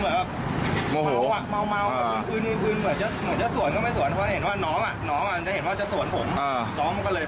เห็นให้รุ่นเข้าไปเดินเกี่ยวไว้แข้งกุญแจออก